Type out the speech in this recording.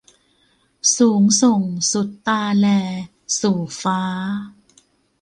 สูงส่งสุดตาแล สู่ฟ้า